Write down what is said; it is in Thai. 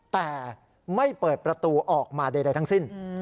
แต่ไม่เปิดประตูออกมาใดทั้งสิ้น